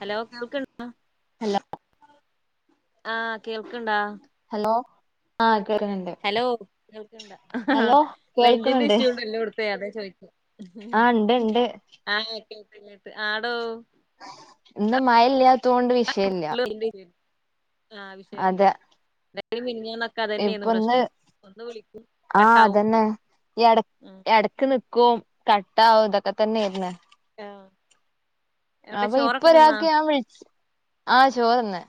Hello കേൾക്ക്ണ്ടാ hello ആ കേൾക്ക്ണ്ടാ? ഹലോ. ആകേര ഹലോ കേൾക്ക്ണ്ട ഹ ഹ ഹ റേഞ്ചിന്റെ കേൾക്കുന്നുണ്ട് ഇഷ്യൂ ഇണ്ടല്ലോടു ത്തെ അതാ ചോയിച്ചേ ആഹ് ഉണ്ട് ഉണ്ട് ആഹ് കേട്ട് കേട്ട് ആടോ. ഇന്ന് മഴയില്ല തോണ്ട് വിഷയല്ല. [unintelligible] ആവിശ്യല്ല അതെ [unintelligible] ക്കതന്നെയ്ന്ന് ഇപ്പൊ ഇന്ന് പ്രശ്നം ഒന്ന് വിളിക്കും ആഹ് കട്ടാവും ഉം ക്ക് നിക്കും കട്ടാവും ഇതൊക്കെ തന്നെര്ന്ന്. എവിടെ അപ്പൊ ഇപ്പൊ ചോറൊക്കെ തിന്നാ ഒരാക്ക് ഞാൻ വിളിച് ആഹ് ചോറ്ന്ന്.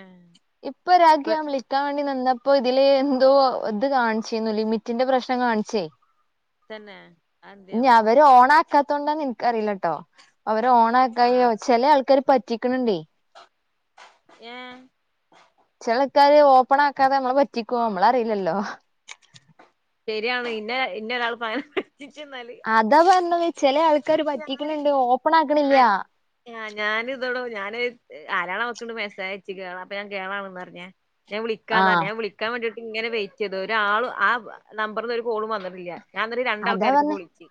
ഏഹ് ഇപ്പൊ ഒരാക്ക് ഇപ്പ ഞാൻ വിളിക്കാൻ വേണ്ടി നിന്നപ്പോ ഇതില് എന്തോ ഇത് കാണിച്ചിന്നു ലിമിറ്റിന്റെ പ്രശ്നം കാണിച്ചെയ്. തന്നെ ഇഞ്ഞ് അതെന്ത്യാവോ അവര് ഓണാക്കാത്തോണ്ടാന്ന് ന്ക്കറില്ലട്ടോ. അവരെ ആഹ് ഓണാക്കായാവും ചെല ആൾക്കാര് പറ്റിക്ക്ണ്ണ്ണ്ടെയ്. ഏഹ് ചില ൾക്കാര് ഓപ്പൺ ആക്കാതെ നമ്മളെ പറ്റിക്കു നമ്മളറില്ലല്ലോ. ശരിയാണ് ഇനെ ഇന്നൊരാൾ അങ്ങെ നെ പറ്റിച്ച്ന്നാല്. അതാ പറഞ്ഞത് ചെല ആൾക്കാര് ഞാന് പറ്റിക്ക്ണ്ണ്ണ്ട് ഓപ്പൺ ഞാൻ ആക്ക്ണില്ല. ആഹ് ഞാനി ഇതെടോ ഞാന് [unintelligible] ഞാൻ വിളിക്കാന്നാ ആഹ് ഞാൻ വിളിക്കാൻ വേണ്ടിട്ട് ഇങ്ങനെ വെയിറ്റെയ്തു ഒരാളും ആഹ് നമ്പറിന്ന് ഒരു കോളും വന്നിട്ടില്ല. ഞാനിന്നിട്ട് അതാ രണ്ടാൾക്കാർക്ക് വിളിച്ചു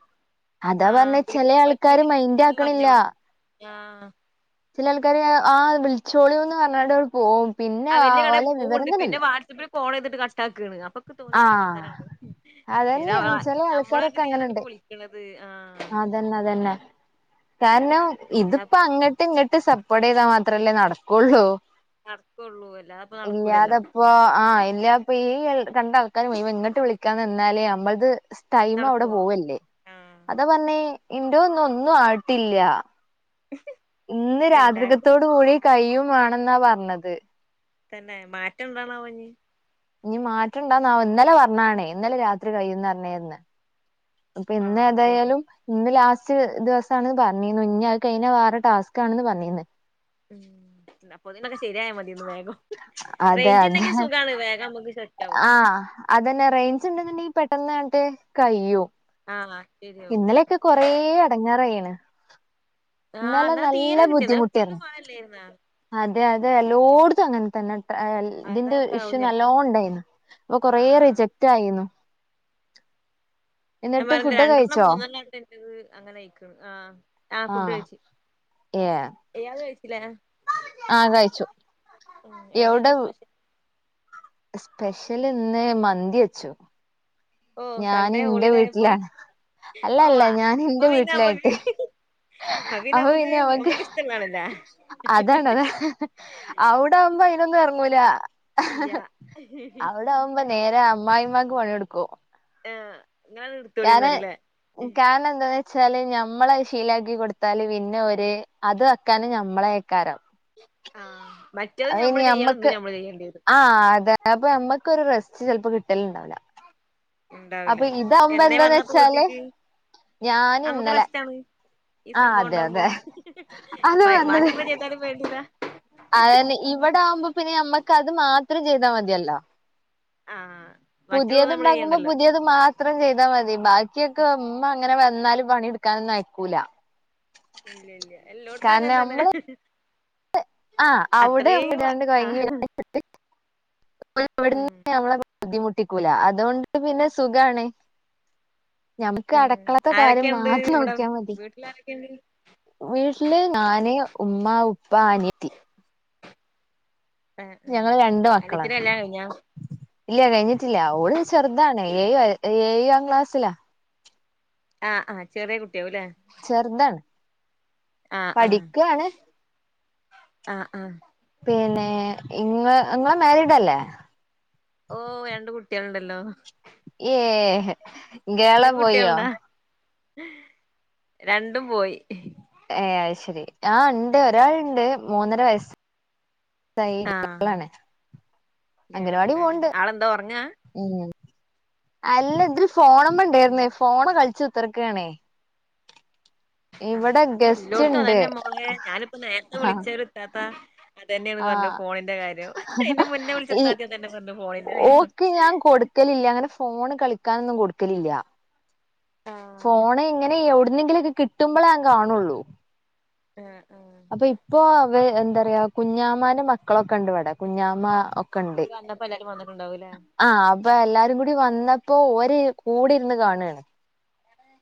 ആഹ് ചേലെ ആൾക്കാര് പറ്റൂല മൈന്ഡ് പറ്റൂല ആക്കണില്ല. പറഞ്ഞോട് ആഹ് ചില ആൾക്കാര് ആഹ് വിളിച്ചോളി ന്ന് പറഞ്ഞാണ്ട് പോകും. അവല്യ കടയി പോകുന്നുണ്ട് പിന്നെ വാട്സപ്പില് ഫോൺ ചെയ്തിട്ട് കട്ടാക്കാണ് അപ്പൊ ൻക്ക് തോന്നി ആഹ് കള്ളത്തരണ പിന്നെ അവ അതന്നെയാണ് ചെല [unintelligible] ആൾക്കാരൊക്കെ ഇപ്പോ അങ്ങനെണ്ട് വിളിക്കണത് ആഹ് അതന്നെ തന്നെ കാരണം ഇതിപ്പോ എല്ലാപ്പ അങ്ങ അങ്ങട്ട് ഇങ്ങട്ട് സപ്പോർട്ട് ചെയ്താ മാത്രമല്ലേ നട കൊള്ളൂ. നട കൊള്ളൂ അല്ലാതെ ഇപ്പം നടക്കൂലല്ലോ? ഇപ്പ ആ എല്ല ഇപ്പൊ ഈ കണ്ട ആൾക്കാരും എങ്ങോട്ട് വിളിക്കാന്ന്ന്നാലേ നമ്മളത്സ്പോ ടൈം അവിടെ നടക്കുവോ പോവല്ലേ ആഹ് അതാ പറഞ്ഞേ എന്റെ ഒന്നും ഒന്നും ആട്ടില്ല ഹി ഇന്ന് രാത്രികത്തോട് കൂടി കയ്യും വാണെന്നാ പറഞ്ഞത്. തന്നെ മാറ്റം എന്താണവോ ഞ്ഞ്. ഇനി മാറ്റം ഇണ്ടാന്നാ വോ ഇന്നലെ പറഞ്ഞാണ് ഇന്നലെ രാത്രി കഴിയും പറഞ്ഞേന്ന്. പിന്നെ ആഹ് ശരി ഏതായാലും. ഇന്ന് ലാസ്റ്റ് ദിവസാണെന്ന് പറഞ്ഞിന്നു ഇനി അത് കഴിഞ്ഞ വേറെ ടാസ്ക് ആണന്ന് പറഞ്ഞിന്ന്. ഉം അപ്പൊതിന്നൊക്കെ ശരിയായ മതിയേന്നു വേഗം. അതെ റേഞ്ച് അതെ ഉണ്ടെങ്കിൽ സുഖാണ് വേഗം നമുക്ക് സെറ്റ് ആവും ആ അതന്നെ റേഞ്ച് ഉണ്ടെന്നുണ്ടെങ്കിൽ പെട്ടന്ന് ആയിട്ട് കഴിയും ആ ശെരിയാവും ഒക്കെ കൊറ അടങ്ങാറായിണ് ആഹ് എന്നല്ലാം ഇന്നലെ നല്ല തീരെ കിട്ടി ഇന്നലെ ഫുള്ള് ബുദ്ധിമുട്ടിരുന്നു മഴല്ലായിരുന്നാ അതെ അതെ എല്ലോട അങ്ങനെ തന്നെ ഇതിന്റെ അതാട്ടാവും ഇഷ്യൂ നല്ലതോ ചെലപ്പോ ഉണ്ടായിന്ന് അപ്പൊ കൊറേ ആഹ് റിജറ്റ് ടാ യിരുന്നു ഞാൻ പറഞ്ഞ രണ്ടെണ്ണം മൂന്നെണ്ണംട്ടറത് അങ്ങനെ കിക്ക ആ ആ ഫുഡ് കഴിച്ചു ഏ യാത് കഴിച്ചില്ലേ കഴിച്ചു എവിടെ എന്തരുന്നു സ്പെഷ്യൽ സ്പെഷ്യൽ ഇന്ന് മന്തി വെച്ചോ ഓഹ് ഞാൻ സൺഡേ എന്റെ ഹോളിഡേ ആയപ്പോ വീട്ടിലാണ് അല്ല അല്ല ഓഹ് ഞാൻ അപ്പൊ എന്റെ പിന്നെ നമ്മക്ക് വീട്ടിലായിട്ട് അപ്പ പിന്നെ അഹൊ നമ്മക്ക് ഇന അവക്ക് നമ്മക്ക് ഇഷ്ടള്ളതാണല്ലേ അതാണ്താ അവിട ആകുമ്പ ഇതൊന്നും ഇറങ്ങൂല ഇല്ല അവിടവുമ്പ കു മ്പ നേരെ അമ്മായിമാക്ക് പണിയെടുക്കോ ആ ഞ എടു കാരണം കാരണം എന്താ വച്ചാല് ഞമ്മളെ ശീലക്കി കൊടുത്താല് പിന്നെ ഒര് അത് വക്കാന് നമ്മളെക്കാരം ആ മ അ ഇനി അമ്മക്ക് ആ അത അപ്പ അമ്മക്കൊരു റെസ്റ്റ് ചപ്പോ കിട്ടലുണ്ടാവല ഉണ്ടാവൂലേ എന്നേ എന്താന്ന് വന്നപ്പോ വെച്ചാല് വീട്ടിക്ക് ഞാൻ നമുക്ക് ഇന്നലെ റെസ്റ്റണ് ഈ ആഹ് സംഭവം അതെ ഉണ്ടാവുമ്പോ അതെ അത് ബാക്കിയുള്ള എന്തറി വേടത അതെ ഇവിടെ ആവുമ്പോ പിന്നെ നമ്മക്ക് അത് മാത്രം ചെയ്താൽ മതിയല്ലോ ആ പുതിയത് ഉണ്ടാക്കുമ്പോ പുതിയത് മാത്രം ചെയ്താൽ മതി ബാക്കിയൊക്കെ ഉമ്മ അങ്ങനെ വന്നാലും പണിടുക്കാനൊന്നും അയക്കൂല ഇല്ല ഇല്ല എല്ലട്ടു കാരണം ങ്ങനെ തന്നെ നമ്മള് ആഹ് അവിടെ അത്രവ ഇടാണ്ട് ആ കൊഴങ്ങി ഉ ഇവിടുന്ന് നമ്മളെ ബുദ്ധിമുട്ടിക്കൂല അതുകൊണ്ട് പിന്നെ സുഖണ് ഞമ്മുക്ക് അടക്കളത്ത കാര്യം ആരൊക്കെയുണ്ട് മാത്രം ഇവിടെ നോക്കിയാ മതി വീട്ടിൽ ആരൊക്കെയുണ്ട് വീട്ടില് ഞാന് ഉമ്മ ഉപ്പ അനിയത്തി ആഹ് ആഹ് ഞങ്ങള് രണ്ട് അനിയത്തിന്റെ മക്കളാണ് കല്യാണം കഴിഞ്ഞോ ഇല്ല കഴിഞ്ഞിട്ടില്ല ഓള് ചെറുതാണ് ഏഴ് ഏഴം ക്ലാസ്സിലാ ആ ആ ചെറിയ കുട്ടിയാവും അല്ലെ ചെറുതാണ് ആഹ് പഠിക്കയാണ് ആഹ് ആഹ് പിന്നെ ഇങ്ങ നിങ്ങളെ മരിഡ് അല്ലേ ഓ രണ്ട് കുട്ടികളുണ്ടല്ലോ ഏ ഇങ്ങയളാം നിങ്ങൾക്ക് പോയോ കുട്ടികളുണ്ടാ രണ്ടും പോയി ഏ അത് ശരി ആ ഇണ്ട് ഒരാളുണ്ട് മൂന്നര വയസ്സ് ആഹ് [unintelligible] അംഗനവാടി കേളണല്ലേ പോണ്ട് ആളെന്താ ഉറങ്ങാ ഉ അല്ലാം ഇതിൽ ഫോണംന്നു എയിരു ഉം ന്ന ഫോണ് കളിച്ചു ഉത്തർക്കണേ അത് ഇല്ലോടത്തതന്നെ മോളെ ഞാനിപ്പോ നേരത്തെ ആ വിളിച്ചരു ഇത്താത്താ അത്തന്നെയാണ് ആ പറഞ്ഞത് ഫോണിന്റെ കാര്യം എ ന്റെ മുന്നേ ഈ വിളിച്ചെത്താത് തന്നെ പറഞ്ഞു ഫോണിന്റെ കാര്യം ഓക്ക് ഞാൻ കൊടുക്കലില്ല അങ്ങനെ ഫോണ് കളിക്കാനൊന്നും കൊടുക്കലില്ല ആഹ് ഫോണ് ഇങ്ങനെ എവിടുന്നെങ്കിലുംഒ ക്കെ കിട്ടുമ്പോഴേ ൻ കാണുള്ളൂ ആ ആ അപ്പൊ ഇപ്പോ അവ എന്താ പറയാ കുഞ്ഞാമാൻ്റേ മക്കളൊക്കെ ഇണ്ട് ഇവിടെ കുഞ്ഞാമ്മ ഓഹ് ഇപ്പ വന്നപ്പോ എല്ലാരും വന്നിട്ടുണ്ടാവൂലേ ആ അപ്പൊ എല്ലാരും കൂടി വന്നപ്പോ ഓര് കൂടെ ഇരുന്ന് കാണാണ്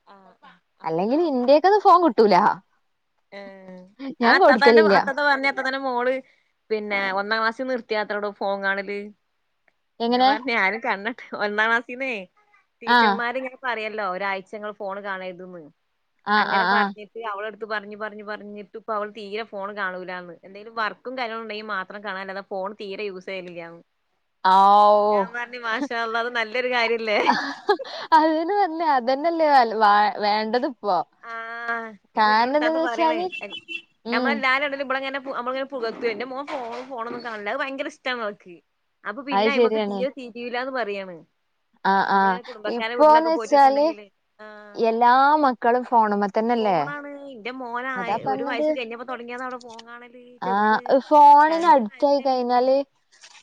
ആ അല്ലെങ്കിലും ഇന്റെക്കെന്ന് ഫോൺ കിട്ടൂല ഏ ഞാൻ ത്തതന്റെ കൊടുക്കലില്ല അത്താത പറഞ്ഞ് ഇത്താത്താന്റെ മോള് പിന്നെ ഒന്നാം ക്ലാസ്സിന്ന് നിർത്തിയാതാടോ ഫോൺ കാണല് ഞാൻ എങ്ങനെ പറഞ്ഞ് ആരും കണ്ണ്ട്ട ഒന്നാം ക്ലാസ്സിന്ന് ആഹ് ടീച്ചർമാര്ങ്ങനെ പറിയല്ലോ ഒരാഴ്ച്ച നിങ്ങൾ ഫോൺ കാണരുതന്ന് ആഹ് അങ്ങനെ ആഹ് ആഹ് പറഞ്ഞിട്ട് അവള ഇത് പറഞ്ഞ് പറഞ്ഞ് പറഞ്ഞിട്ട് ഇപ്പോൾ അവൾ തീരെ ഫോൺ കാണൂല്ല എന്ന് എന്തെകിലും വർക്കും കാര്യങ്ങളും ഉണ്ടെങ്കിൽ മാത്രം കാണാലാതെ ഫോൺ തീരെ യൂസ് ചെയ്യലില്ലാന്ന് ആഹ് ഞാൻ പറഞ്ഞു മാഷാ ഓഹ് അള്ളാ അത് നല്ലൊരു കാര്യല്ലേ [unintelligible] ഇതന്നല്ലേ വ വേണ്ടതും ആ ഇന്നോട് ഇത്താത പറയണേ വെച്ചാല് ഉം അമ്മളെല്ലാരും ഇപളങ്ങനെ നമ്മളെ പുകൈത്തും എന്റെ മോൻ ഫോണോന്നും കാണൂല്ല അത് ഭയങ്കര ഇഷ്ടാണ് അവക്ക് അപ്പൊ പിന്നെ അത് അയ്മക്ക് ശരിയാണ് തീരെ തിരീലാന്ന് പറയാണ് ആഹ് ആഹ് നമ്മള് കുടുംബക്കാരുടെ ഇപ്പോന്ന് വീട്ടിലൊക്കെ പോയിട്ടൊക്കെ വെച്ചാല് ഉണ്ടെങ്കില് ആ എല്ലാ മക്കളും ഫോൺമ്മതന്നെല്ലേ എന്റെ മോനായി ഒരു വയസ്സ് കഴിഞ്ഞപ്പോ തുടങ്ങിയതാണ് ഫോൺ കാണല് ചെറ്ത് രണ്ട് അടിറ്റയി കഴിഞ്ഞാല്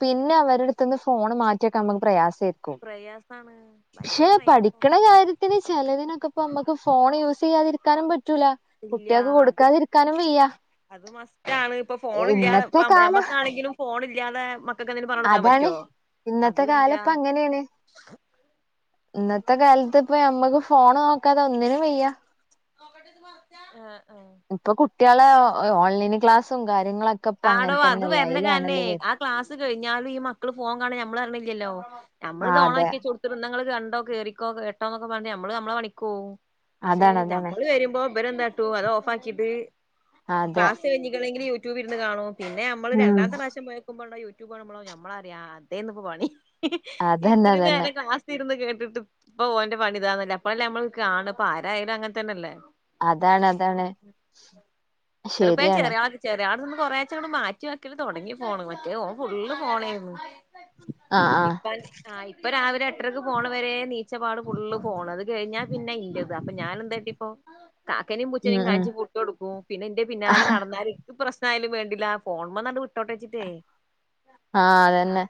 പിന്നെ അവരെ അടുത്തുന്ന് ഫോൺ മാറ്റിവെക്കാൻ നമുക്ക് പ്രയാസായിരിക്കും പ്രയാസാണ് ഭയങ്കര പ്രയാസാണ് പിന്നെ ചിലതിനൊക്കെ ഇപ്പം നമ്മുക്ക് ഫോൺ യൂസ് ചെയ്യാതിരിക്കാനും പറ്റൂല ഇല്ല കുട്വാക്ക് അത് കൊടുക്കാതിരിക്കാനും വയ്യ അത് മസ്റ്റ് ആണ് ഇപ്പൊ ഫോണ് ഇല്ലാതെ ഇന്നത്തെ കാലം നമ്മക്കാണെങ്കിലും ഫോണ് ഇല്ലാതെ മ മക്കകെന്തങ്കിലും പറഞ്ഞ് കൊടുക്കാൻ അതാണ് പറ്റോ ഇന്നത്തെ കാലം അതുംല്ലാ ഇപ്പ അങ്ങനെയാണ് ഇന്നത്തെ കാലത്ത് ഇപ്പം നമ്മക്ക് ഫോൺ നോക്കാതെ ഒന്നിനും വയ്യ ആഹ് ആഹ് ഇപ്പൊ കുട്ടിളെ ഓൺലൈന് ക്ലാസും കാര്യങ്ങളൊ ആടോ അത് വരണ കാരനെ ആഹ് ക്ലാസ് കഴിഞ്ഞാലും ഈ മക്കള് ഫോൺ കാണത് ഞമ്മൾ അറിണില്ലല്ലോ ആ നമ്മള്ത് അതെ ഓണാക്കി വെച്ച്കൊടുക്കും തിന്നങ്ങള് കണ്ടോ കേറിക്കോ ക്കെട്ടോ എന്നൊക്കെ പറഞ്ഞ് നമ്മള് നമ്മളെ പണിക്ക് പൊകും പക്ഷെ അതാണ് അതാണ് നമ്മള് വരുമ്പോ ഇബരേന്താട്ടും അത് ഓഫ് ആക്കിട്ട് അതെ ക്ലാസ്സ് റ്റ് കഴിറ്റീക്ണങ്കില് യൂറ്റൂബ് ഇരുന്ന് കാണും പിന്നെ നമ്മള് ഉം രണ്ടാമത്തെ പ്രവശ്യം പൊയ കുബൊള്ള യൂട്യൂബ് കാണുമ്പോൾ നമ്മൾപറയും അതേന്പ്പം പണി അതന്നെ ഇത്ര അതന്നെ നേരം ക്ലാസ്സ് ഇരുന്ന് കേട്ടിട്ട് ഇപ്പം ഓന്റെ പണി ഇതാണല്ലേ അപ്പഴല്ലേ നമ്മള് കാണാ അപ്പം ആരായാലും അങ്ങനെ തന്നെല്ലേ അതാണ് അതാണ് എന്നിട്ട്പ്പേ ശരിയാണ് ചേരിയള് കി ചെറിയാൾ നിന്ന് കുറേച്ചേ മാറ്റി വക്കല് തുടങ്ങി ഫോണ് മറ്റേ ഓന് ഫുള് ഫോണേയിരുന്നു ആ ആ ഇപ്പ ആ ഇപ്പ രാവില എട്ടരക്ക് പോണ വരെ നീച്ചപാട് ഫുള് ഫോണ് അത് കഴിഞ്ഞാൽ പിന്നെ ഇന്റേത് അപ്പൊ ഞാനെന്ത്ട്ടി ഓഹ് കാക്കനീം ഉം പുച്ചനിം ഉം കാണിച്ച് ഫുഡ് കൊടുക്കും പിന്നെ ഇന്റെ പിന്നാലെ നടന്നാൽ ഇനിക്ക് പ്രശ് എന്തായാലും വേണ്ടില്ല ആ ഫോണുമ്മന്നങ്ങിട് വിട്ടോട്ടേച്ചിട്ടേയ് ആ അതന്നെ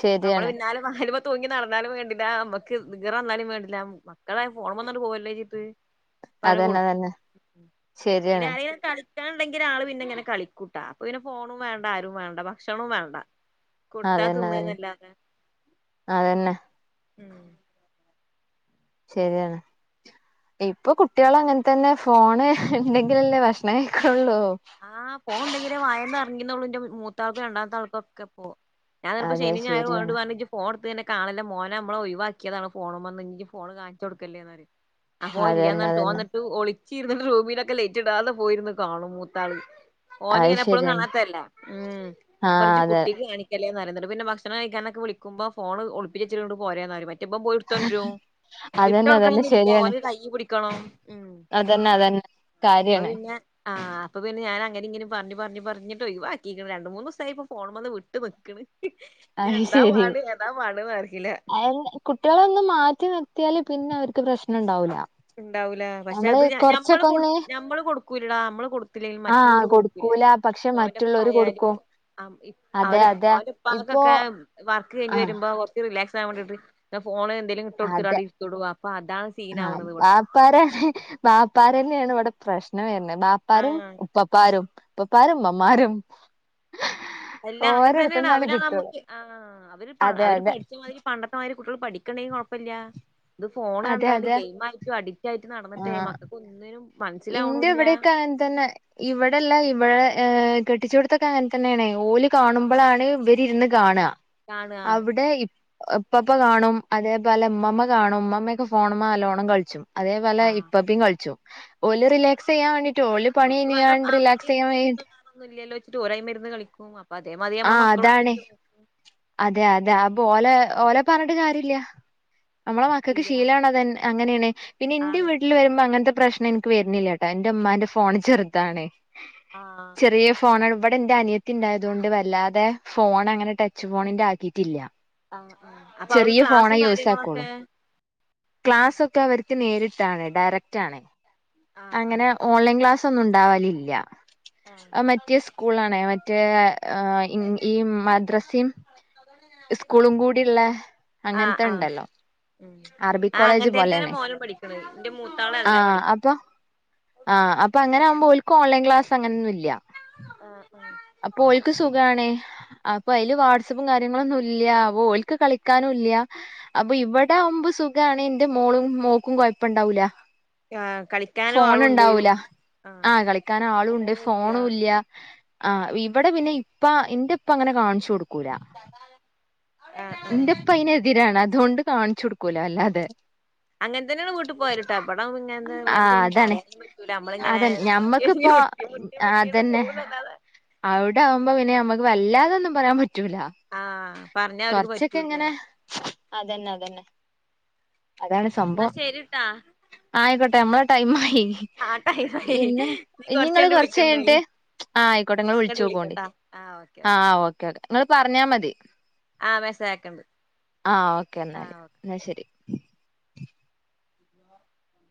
ശെരിയാണ്. അയലിമ്മേ തൂങ്ങി നടന്നാലും വേണ്ടില്ല നമ്മക്ക് ഈറ വന്നാലും വേണ്ടില്ലാ മക്കളെ ഫോൺവന്നിട്ട് [unintelligible] പ്പം അങ്ങനെ അതന്നെ കൊടുക്കൂല്ല അതന്നെ ശരിയാണ് പിന്നെ അരെലും ക കളിക്കാൻ ണ്ടെങ്കിൽ ആള് പിന്നെ ഇങ്ങനെ കളിക്കൂട്ടാ അപ്പൊ പിന്നെ ഫോണും വേണ്ട ആരും വേണ്ട ഭക്ഷണവും വേണ്ട കൊടുത്താ അതന്നെ തിന്നാ അതന്നെ നല്ലാതെ അതന്നെ ഉം ശരിയാണ് ഇപ്പൊ കുട്ടികള് അങ്ങനെ തന്നെ ഫോണ് ഇണ്ടങ്കിലല്ലേ ഭക്ഷണം കഴിക്കള്ളൂ ആ ഫോണ്ഉണ്ടെങ്കില് വായേന്ന് ഇറങ്ങുന്നളു മൂത്താൾക്കും രണ്ടാമത്തെ ആൾക്കും ഒക്കെ ഇപ്പൊ ഞാനിപ്പം അതെ ശനിം ഞായറും ഓരോട് ശരിയാണ് പറഞ്ഞു ഇജി ഫോൺ എടുത്ത് കാണല്ലേ മോനേ നമ്മള് ഒഴിവാക്കിയതാണ് ഫോണ് മെന്ന് ഫോണ് കാണിച്ച് കൊടുക്കല്ലേന്ന് പറയും അപ്പോ ഒന് ഇല്ല അതന്നെ എന്ന് അതന്നെ പറഞ്ഞിട്ട് ഒളിച്ചിരുന്ന് റൂമിലൊക്കെ ലൈറ്റ് ഇടാതെ പോയിരുന്നു കാണും മൂത്താള് അത് ഓനിങ്ങനെ എപ്പളും ശരിയാണ് കാണാത്തല്ല. ഉം ആ ഞാപറിം ഇജ് അതെ കുട്ടിക്ക് കാണി ല്ലേന്ന് പറയും ഇന്നിട്ട് പിന്നെ ഭക്ഷണം കഴിക്കാനൊക്കെ വിളിക്കുമ്പോ ഫോണ് ഒളിപ്പിച്ചേചിട്ട് ഇങ്ങിട് പോരെന്ന് പറയും. മറ്റേ ഇബം പോയിട്ത്തൊണ്ടരും. അതന്നെ അതന്നെ ഇട്ടോടുക്കണംന്നില്ല ശരിയാണ് ഒന്റൊരു കയ്യ് പിടിക്കണം. ഉം. അതന്നെ അതന്നെ കാര്യാണ് അതുപിന്നെ ആം അപ്പൊ പിന്നെ ഞാനങ്ങനീങ്ങനീം പറഞ്ഞ്പറഞ്ഞ്പറഞ്ഞിങ്ങിട് ഒയിവാക്കിക്കുണു. രണ്ടുമൂന്നൂസായിപ്പോ ഫോണിമ്മന്ന് വിട്ട് നിക്ക്ണ്. ഇനി അത് ശരി എന്താപാട് ഏതാപാടെന്നറീയില്ലാ കുട്ടിയേളൊന്ന് മാറ്റി നിർത്തിയാല് പിന്നെ അവർക്ക് പ്രശ്നണ്ടാവൂല്ല. ഇണ്ടാവൂല പക്ഷെ അത് ഞ ഞമ്മള് കൊട് ഞമ്മള് കൊടുക്കൂലടാ നമ്മള് കൊടുത്തില്ലെങ്കില് ആ മറ്റുള്ളവര് കൊടു പ്പ്ല്ലേ കൊടുക്കൂല പക്ഷെ ഇപ്പൊ അവന്റെ മറ്റുള്ളവര് പ്പായാലും കൊടുക്കും ആം ഇ അതെ അവരെ അതെ അവൻറ്റെപ്പ് ഇപ്പൊ ഇപ്പോ അനക്കൊക്കെ ആ വർക്കുകഴിഞ്ഞുവരുമ്പോ കൊറച്ചുറിലാക്സാവാൻ വേണ്ടീട്ട് ഫോണ് എന്തേലും അതെ ഇട്ടോടുത്തിട്ടവിടെയിരിത്തിട്ടുപോവും അപ്പ അതാണ് സീനാവണത്. ഇപ്പാരെ ബാപ്പാരഞ്ഞേണ്വിടെ പ്രശ്നം വരണത്. ബാപ്പാരും ആഹ് ഇപ്പപ്പാരും ഇപ്പപ്പാരും ഇമ്മമ്മാരും. അല്ലാ അങ്ങതന്നെയാണൊ അവരാ കിട്ടുള്ളൂ നമ്മുക്ക് ആ അവര് പാ അതെ അവര് അതെ പഠിച്ചമാതിരി പണ്ടത്തെമാതിരി കുട്ടികള് പഠിക്കണ്ടെങ്കി കൊഴപ്പല്ല. ഇത് ഫോണ് അതെ കണ്ടാല് അതെ ഗെയിംമായിട്ടും അ ഡിക്റ്റായിട്ട് നടന്നിട്ടെ മക്കക്കൊന്നിനും ഇന്റെവിടെയൊക്കെ അങ്ങൻതന്നെ ഇവടെല്ലാ ഇവടെ ഏഹ് കെട്ടിച്ചോടത് തൊക്കെ അങ്ങത്തന്നെയാണെ ഓല് ആഹ് കാണുമ്പളാണ് ഇവരിരുന്ന് കാണുക കാണാ അവിടെ ഇപ് ഇപ്പാപ്പ കാണും അതേപോലെ ഇമ്മാമ്മ കാണും ഇമ്മാമ്മയൊക്കെ ഫോണുമ്മേ നല്ലോണം കളിച്ചും അതേപോലെ ആഹ് ഇപ്പപ്പീ കൾച്ചും. ഓല് റിലാക്സിയ്യാൻ വേ ട്ടോല് പണി കയ്ഞ്ഞിങ്ങാട് റിലാക്സിയ്യാൻ വേ ഞ്ഞൊന്നും ഇല്ലല്ലോച്ചിട്ട് ഓലയിമ്മെരിന്ന് കളിക്കും. അപ്പൊ അതേമാതിരി ആ നമ്മളെ മക്കളും അതാണെ. പോയിട്ട് അതെ അതെ അപ്പൊ ഓലെ ഓലെ പറഞ്ഞിട്ട് കാര്യല്ല. ഞമ്മളെ മക്കക്ക് ഇല്ല ശീലാണതന്നെ അങ്ങനെണ്. പിന്നെന്റെ ആണ് വീട്ടില് വരുമ്പോ അങ്ങൻത്തെ പ്രശന ക്ക് വരണില്ലാട്ടോ എന്റെ ഉമ്മാന്റെ ഫോണ് ചെറുതാണേ ആഹ്. ചെറിയേ ഫോണാണ്. ഇവടെന്റെ അനിയത്തിണ്ടായതോണ്ട് വ ല്ലാതെ ഫോണങ്ങനെ ടച്ച് ഫോണിന്റെ ആക്കിട്ടില്ല. ആ അപ്പൊ അവൾക്ക് ക്ലാസ്സും ആക്കുള്ളൂ. കാര്യങ്ങളൊക്കെ ക്ലാസ്സൊക്കെ അവർക്ക് നേരിട്ടാണ് ഡയറക്റ്റാണ്. ആഹ് അങ്ങനെ ആഹ് ഓൺലൈൻ ക്ലാസ്സൊന്നും ഉണ്ടാവലില്ല. ആ മറ്റേ സ്കൂളിലാണേ മറ്റേ ആ ഈ ഈ മദ്രസീം ഇസ്കൂളുംകൂടിയുള്ളെ അങ്ങൻത്തെയുണ്ടല്ലോ ആ അങ്ങൻത്തന്നാണ് മോനും പഠിക്കണത് ന്റെ മൂത്താളതിലാ പഠി ആ അപ്പൊങ്ങനാകുമ്പോ ഓൽക്ക് ഓൺലൈൻ ക്ലാസ്സ്‌ അങ്ങനൊന്നുല്ല. ആ ആ അപ്പൊ ഓൽക്ക് സുഖാണെ അപ്പൊ അതില് വാട്സപ്പും കാര്യങ്ങളൊന്നും ഇല്ല്യ ഓൽക്ക് കളിക്കാനും ഇല്ല്യ അപ്പൊ ഇവിടെ ആവുമ്പോ സുഗാണ് ന്റെ മോളും മോക്കും കൊയപ്പം ഇണ്ടാവൂല ആഹ് കളിക്കാനും ഫോൺ ആളുണ്ട് ണ്ടാവൂല ആഹ് കളിക്കാൻ ആളുംണ്ട് ഫോണൂല്ല ഫോണുല്ല ആ ഇവിടെ പിന്നെ ഇപ്പ ഇന്റെ ഇപ്പ അങ്ങനെ കാണിച്ചു കൊട് ക്കൂല്ല. ആഹ് ആഹ് ഇന്റെപ്പയിനെതിരാണ് അതോണ്ട് കാണിച്ചു കൊടുക്കൂല വല്ലാതെ. അങ്ങൻത്തന്നെണ് വീട്ടിപോയാലും ട്ടോ. ഇബടാകു ആഹ് ഞമക്കൊന്നു അതാണ് പറയാനും പറ്റൂല്ലാ ഞമ്മളിങ്ങനെ അതന്നെ മുട്ടിയൊരുമ്മി ഞമ്മക്കിപ്പോ മുട്ടി മുട്ടി മുട്ടീട്ട് പോകുന്നല്ലാതെ അവിടെയാവുമ്പോ പിന്നെ ഞമ്മക്ക് വല്ലാതെയൊന്നും പറയാൻപറ്റൂല. ആ ആ പറഞ്ഞവർക്ക് പറ്റൂല്ലാ. അതന്നെതന്നെ. അത് ഇന്നാ ശരിട്ടാ. ആ ആയിക്കോട്ടെ ഞമ്മളെ ടൈമായി ആഹ് ടൈമായി പിന്നെ നീ കൊറച്ച് ഇനിയിങ്ങള് കഴിഞ്ഞിട്ട് വിളിക്ക് കൊറച്ചഴിഞ്ഞിട്ട് എന്തായാലും ആഹ് ആയിക്കോട്ടെ ഞാൻ ഇങ്ങള് അങ്ങട്ട് വിളിച്ചോക്കൊണ്ടു. വിളിക്കട്ടാ ആഹ് ഓക്കെ ആ ആ ഓക്കെ. ങ്ങള് പറഞ്ഞാ മതി ആഹ് മെസ്സേജ് അയക്കണ്ട് ആഹ് ഓക്കെ എന്നാല് ആഹ് ന്നാ ശരി [inaudible]